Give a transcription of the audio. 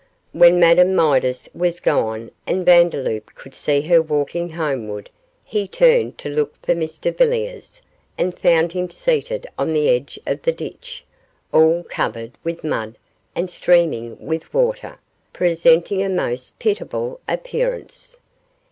When Madame Midas was gone and Vandeloup could see her walking homeward, he turned to look for Mr Villiers, and found him seated on the edge of the ditch, all covered with mud and streaming with water presenting a most pitiable appearance.